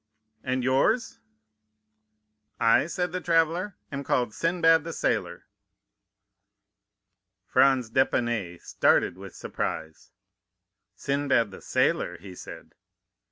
'And yours?' "'I,' said the traveller, 'am called Sinbad the Sailor.'" Franz d'Épinay started with surprise. "Sinbad the Sailor?" he said.